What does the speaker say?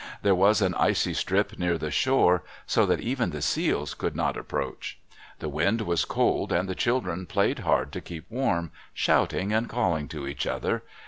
There was an icy strip near the shore, so that even the seals could not approach. The wind was cold and the children played hard to keep warm, shouting and calling to each other.